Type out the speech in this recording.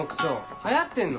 流行ってんの？